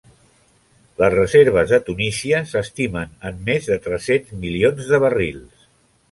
Les reserves de Tunísia s'estimen en més de tres-cents milions de barrils.